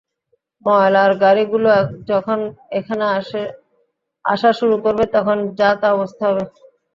ময়লার গাড়িগুলো যখন এখানে আসা শুরু করবে, তখন যা-তা অবস্থা হবে।